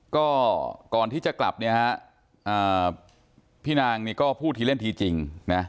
ก็ก่อนที่จะกลับพี่นางก็พูดทีเล่นทีจริง